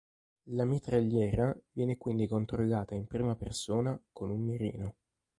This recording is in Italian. La mitragliera viene quindi controllata in prima persona con un mirino.